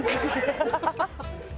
ハハハハ！